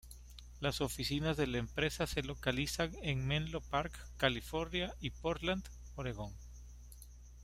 Las oficinas de la empresa se localizan en Menlo Park, California y Portland, Oregon.